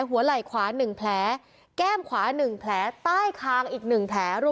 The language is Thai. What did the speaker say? หัวไหล่ขวาหนึ่งแผลแก้มขวาหนึ่งแผลใต้คางอีกหนึ่งแผล